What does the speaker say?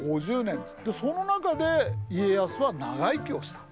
その中で家康は長生きをした。